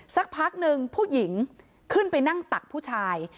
สักพักหนึ่งผู้หญิงขึ้นไปนั่งตักผู้ชาย